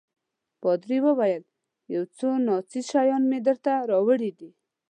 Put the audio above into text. پادري وویل: یو څو ناڅېزه شیان مې درته راوړي دي.